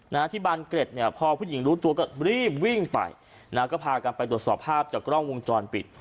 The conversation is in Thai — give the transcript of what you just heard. นะฮะที่บานเกร็ดเนี่ยพอผู้หญิงรู้ตัวก็รีบวิ่งไปนะฮะก็พากันไปตรวจสอบภาพจากกล้องวงจรปิด